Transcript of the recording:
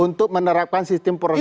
untuk menerapkan sistem proses